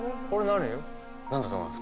何だと思いますか？